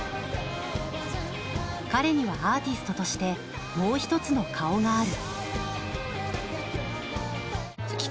彼にはアーティストとしてもう一つの顔がある。